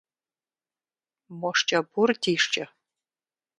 Мо шкӏэ бур ди шкӏэ?